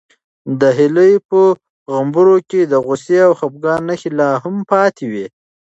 د هیلې په غومبورو کې د غوسې او خپګان نښې لا هم پاتې وې.